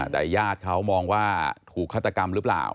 แต่ญาติเขามองว่าถูกฆาตกรรมหรือเปล่า